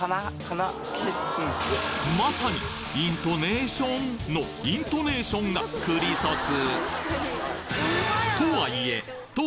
まさにイントネーションのイントネーションがクリソツ